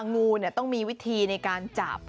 งูต้องมีวิธีในการจับ